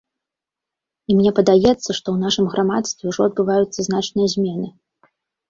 І мне падаецца, што ў нашым грамадстве ўжо адбываюцца значныя змены.